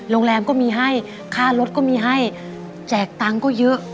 โรงแรมก็มีให้ค่ารถก็มีให้แจกตังค์ก็เยอะ